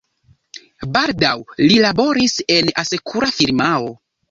Baldaŭ li laboris en asekura firmao.